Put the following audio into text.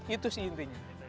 itu sih intinya